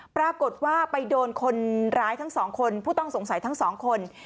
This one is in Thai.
ปรากฏว่าไปโดนคนร้ายทั้งสองคนผู้ต้องสงสัยทั้งสองคน